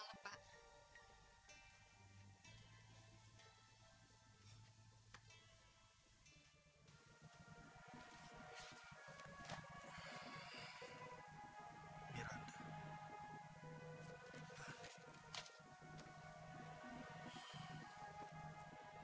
saya viranda terima kasih